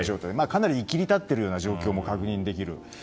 かなりいきり立っているような状況も確認できる。